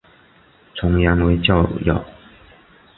成员为教友。